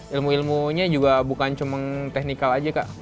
ilmu ilmunya juga bukan cuma teknikal aja kak